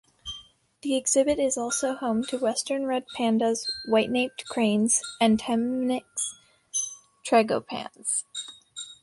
The exhibit also is home to western red pandas, white-naped cranes, and Temminck's tragopans.